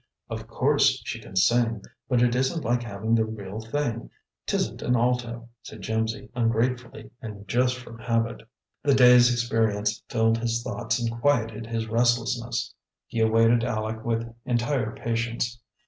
"Of course, she can sing; but it isn't like having the real thing 'tisn't an alto," said Jimsy ungratefully and just from habit. The day's experience filled his thoughts and quieted his restlessness. He awaited Aleck with entire patience.